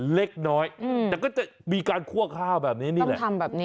เล็กน้อยแต่ก็จะมีการคั่วข้าวแบบนี้นี่แหละ